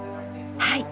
はい。